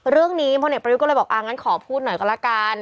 เรื่องนี้พ่อเนี่ยประโยคก็เลยบอกอ้างั้นขอพูดหน่อยก็ละกัน